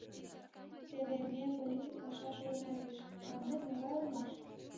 Теве «ме политик пашаш огына пиж» манмет могай улмаш.